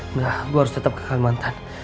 enggak gue harus tetap ke kalimantan